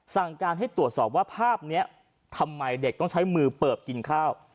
สั่งการให้ตรวจสอบว่าภาพนี้ทำไมเด็กต้องใช้มือเปิบกินข้าว